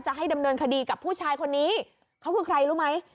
ให้ดำเนินคดีกับผู้ชายคนนี้เขาคือใครรู้ไหม